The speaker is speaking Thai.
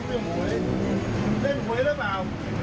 หวยเล่นหวยหรือเปล่า